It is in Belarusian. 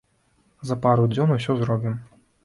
За пару дзён усё зробім.